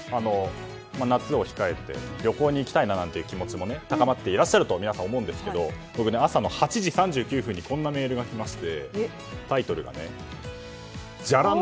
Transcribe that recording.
夏を控えて旅行に行きたいなという気持ちも皆さん高まっていらっしゃると思いますが僕、朝の８時３９分にこんなメールが来ましてタイトルが、じゃらん